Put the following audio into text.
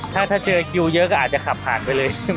ถ้าเจอคิวเยอะก็อาจจะขับผ่านไปเลย